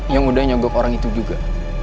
yang udah nyogok orang itu juga